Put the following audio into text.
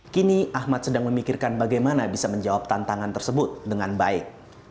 kini ahmad sedang memikirkan bagaimana bisa menjawab tantangan tersebut dengan baik